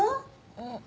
うん？